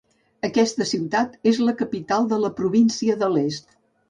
Aquesta ciutat és la capital de la província de l'est.